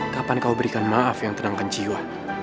kapan kau berikan maaf yang terangkan jiwa